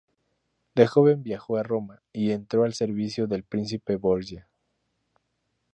De joven viajó a Roma y entró al servicio del Príncipe Borgia.